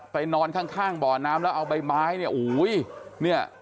ไปนอนข้างบ่อน้ำแล้วเอาแบบเนี่ยอื้อวีเนี่ย